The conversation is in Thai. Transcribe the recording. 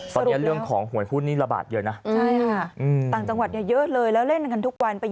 ตอนนี้เรื่องของหวยหุ้นนิรบาทเยอะนะ